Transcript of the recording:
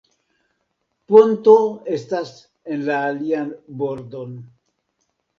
Ponto estas en la alian bordon.